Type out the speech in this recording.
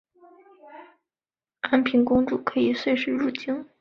安平公主可以岁时入京。